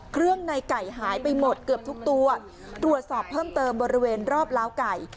เครื่องในไก่หายไปหมดเกือบทุกตัวตรวจสอบเพิ่มเติมบริเวณรอบล้าวไก่